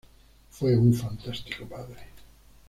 Fue un fantástico padre.